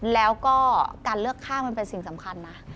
แล้วก็การเลือกข้างมันเป็นสิ่งสำคัญนะ